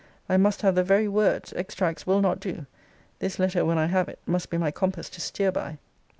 I must have the very words: extracts will not do. This letter, when I have it, must be my compass to steer by.